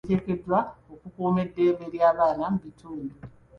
Ebitongole bya gavumenti biteekeddwa okukuuma eddembe ly'abaana mu bitundu.